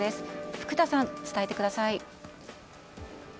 福田さん、伝えてください。